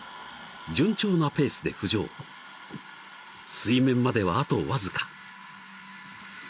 ［水面まではあとわずか］